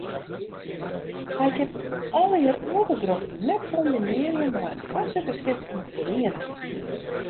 Hij kin allegear oare drokten net kombinearje mei it foarsitterskip fan 'e feriening.